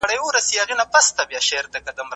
د علم او فلسفې اړيکو ته پاملرنه ضروري ده.